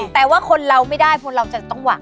แต่ว่าคนเราไม่ได้คนเราจะต้องหวัง